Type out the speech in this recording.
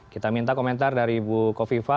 kita minta komentar dari bu kofifa